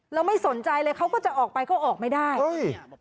แล้วไม่สนใจเลยเขาก็จะออกไปเขาออกไม่ได้อุ้ย